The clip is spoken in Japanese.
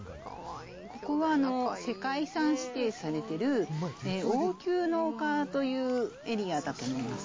ここは、世界遺産指定されている王宮の丘というエリアだと思います。